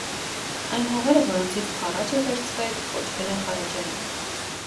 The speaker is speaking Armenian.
Այն հողերը, որոնցից խարաջ է վերցվել, կոչվել են խարաջային։